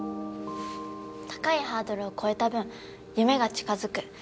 「高いハードルを越えた分、夢が近づく」。